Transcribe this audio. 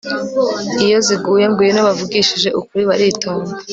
Iyo ziguye ngwino bavugishije ukuri baritonda